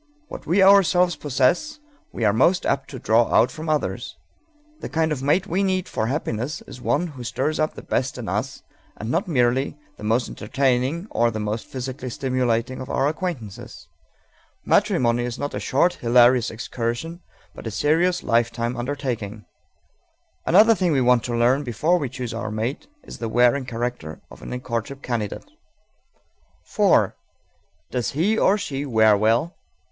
What we ourselves possess we are most apt to draw out from others. The kind of mate we need for happiness is one who stirs up the best in us, and not merely the most entertaining or the most physically stimulating of our acquaintances. Matrimony is not a short, hilarious excursion, but a serious lifetime undertaking. Another thing we want to learn before we choose our mate is the wearing character of any courtship candidate. _4. Does he, or she, wear well?